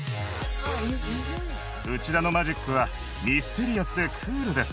内田のマジックは、ミステリアスでクールです。